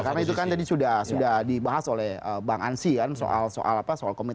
karena itu kan tadi sudah dibahas oleh bang ansyi kan soal komitmen